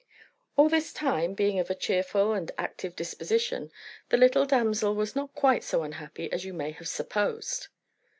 All this time, being of a cheerful and active disposition, the little damsel was not quite so unhappy as you may have supposed.